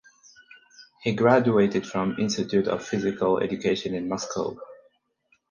He graduated from Institute of Physical Education in Moscow.